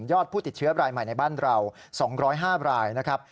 ผู้ติดเชื้อรายใหม่ในบ้านเรา๒๐๕รายนะครับ